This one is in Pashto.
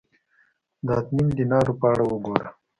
د اته نیم دینارو په اړه وګوره